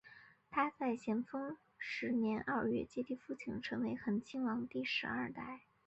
他在咸丰十年二月接替父亲成为恒亲王第十二代。